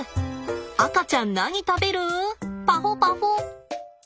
赤ちゃん何食べるパホパホ。